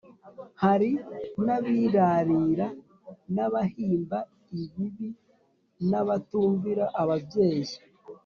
hari n’abirarira n’abahimba ibibi n’abatumvira ababyeyi